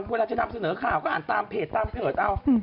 เวลาจะทำเสนอข่าวก็อ่านตามเพจ